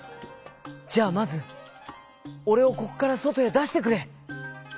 「じゃあまずおれをここからそとへだしてくれ」。